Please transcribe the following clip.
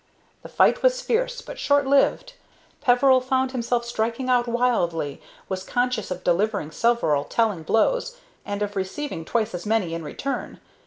The fight was fierce, but short lived. Peveril found himself striking out wildly, was conscious of delivering several telling blows, and of receiving twice as many in return.